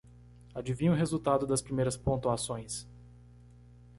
Adivinha o resultado das primeiras pontuações.